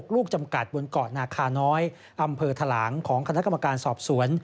ลูกจำกัดบนเกาะนาคาน้อยอำเภอถลางของคณะกรรมการสอบสวน